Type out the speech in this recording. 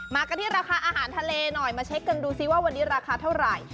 กันที่ราคาอาหารทะเลหน่อยมาเช็คกันดูซิว่าวันนี้ราคาเท่าไหร่